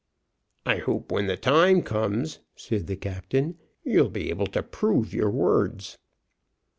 "I hope when the time comes," said the captain, "you'll be able to prove your words."